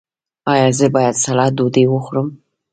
ایا زه باید سړه ډوډۍ وخورم؟